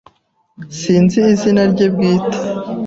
Sinzi izina rye bwite.